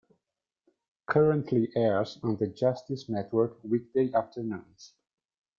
Currently airs on the Justice Network weekday afternoons.